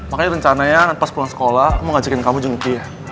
makanya rencananya pas pulang sekolah mau ngajakin kamu jengok dia